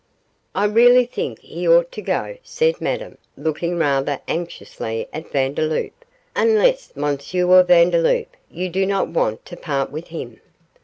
'I really think he ought to go,' said Madame, looking rather anxiously at Vandeloup, 'unless, M. Vandeloup, you do not want to part with him.